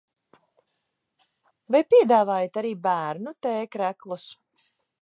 Vai piedāvājat arī bērnu t-kreklus?